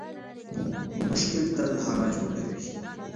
مشکل تل هغه جوړوي